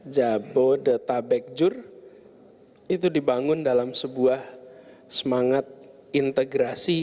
jabodetabekjur itu dibangun dalam sebuah semangat integrasi